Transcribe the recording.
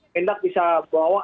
mendat bisa bawa